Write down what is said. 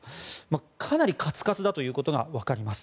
かなりカツカツだということが分かります。